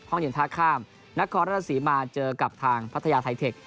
ห้องเย็นท่าข้ามนักคอร์รัฐสีมาเจอกับทางพัทยาไทเทค